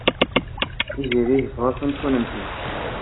Tiziri tebɣa-kent kennemti.